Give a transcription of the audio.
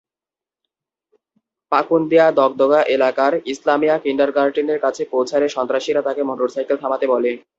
পাকুন্দিয়া দগদগা এলাকার ইসলামিয়া কিন্ডারগার্টেনের কাছে পৌঁছালে সন্ত্রাসীরা তাঁকে মোটরসাইকেল থামাতে বলে।